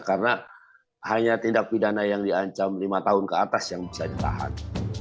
karena hanya tindak pidana yang diancam lima tahun ke atas yang bisa ditahan